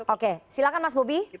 oke silakan mas bobi